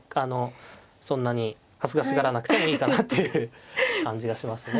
そんなに恥ずかしがらなくてもいいかなっていう感じがしますね。